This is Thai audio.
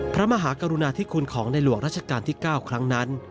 พระมหากรุณาธิคุณของในหลวงราชการที่๙ครั้งนั้น